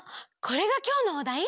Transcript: これがきょうのおだい？